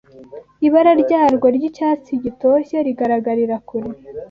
Ibara ryawo ry’icyatsi gitoshye rigaragarira kure